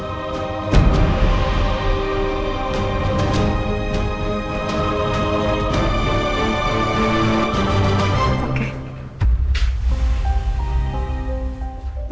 gimana keputusan kamu